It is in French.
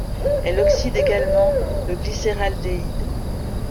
Elle oxyde également le glycéraldéhyde.